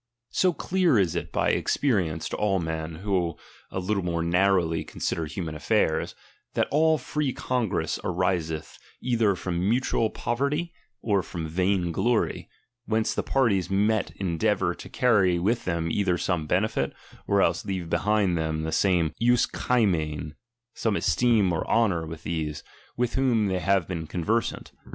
So clear is it by ex perience to all men who a little more narrowly consider human affairs, that all free congress iriseth either from mutual poverty, or from vain chap, i glory, whence the parties met endeavour to carry j^^^^^ with them either some benefit, or to leave behind bcginnipg of theDi that same euSoKtfitiv, some esteem and honour !■ &oin few. with those, with whom they have been conversant.